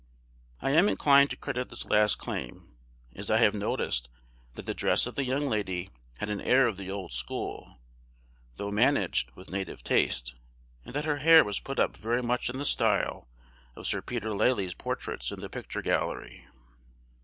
I am inclined to credit this last claim, as I have noticed that the dress of the young lady had an air of the old school, though managed with native taste, and that her hair was put up very much in the style of Sir Peter Lely's portraits in the picture gallery.